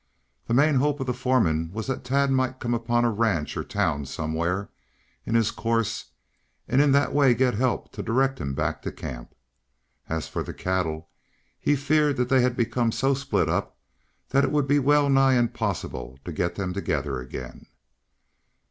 The main hope of the foreman was that Tad might come upon a ranch or a town somewhere, in his course, and in that way get help to direct him back to camp. As for the cattle, he feared that they had become so split up that it would be well nigh impossible to get them together again.